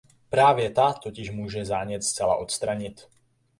Právě ta totiž může zánět zcela odstranit.